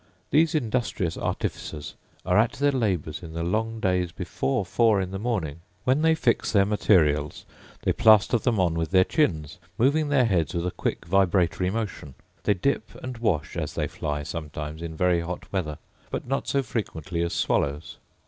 These industrious artificers are at their labours in the long days before four in the morning: when they fix than materials they plaster them on with their chins, moving their heads with a quick vibratory motion. They dip and wash as they fly sometimes in very hot weather, but not so frequency as swallows.